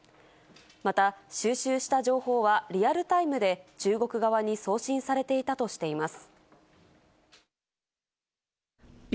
また、収集した情報はリアルタイムで中国側に送信されていたとしています。